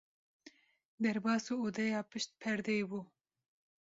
Derbasî odeya pişt perdeyê bû.